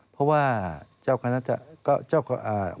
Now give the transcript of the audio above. เพราะว่าเจ้าธวรรณรัชรกษ์